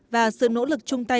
và sự nỗ lực chung tay